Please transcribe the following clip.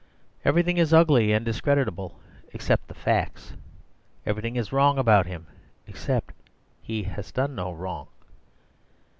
Everything is ugly and discreditable, except the facts; everything is wrong about him, except that he has done no wrong.